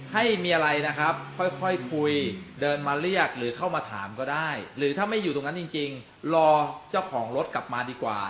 ให้มีอะไรนะครับค่อยคุยเดินมาเรียกหรือเข้ามาถามก็ได้หรือถ้าไม่อยู่ตรงนั้นจริงรอเจ้าของรถกลับมาดีกว่า